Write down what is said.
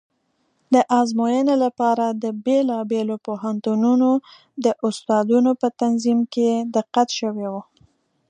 د ازموینې لپاره د بېلابېلو پوهنتونونو د استادانو په تنظیم کې دقت شوی و.